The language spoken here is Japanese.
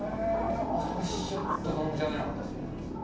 それちょっと存じ上げなかったですね。